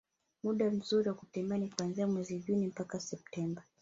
Muda mzuri wa kutembelea ni kuanzia mwezi Juni mpaka Septemba